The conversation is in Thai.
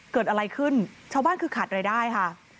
เกิดอะไรขึ้นชาวบ้านคือขาดรายได้ค่ะ